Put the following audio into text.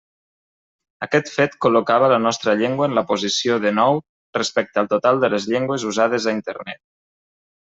Aquest fet col·locava la nostra llengua en la posició denou respecte al total de les llengües usades a Internet.